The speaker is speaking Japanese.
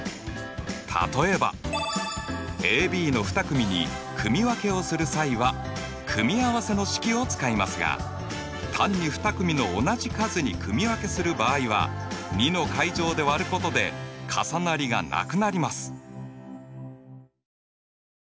例えばＡＢの２組に組分けをする際は組合せの式を使いますが単に２組の同じ数に組分けする場合は２の階乗で割ることで重なりがなくなります。